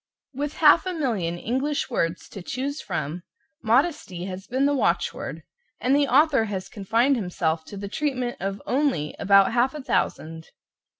With half a million English words to choose from, modesty has been the watchword, and the author has confined himself to the treatment of only about half a thousand.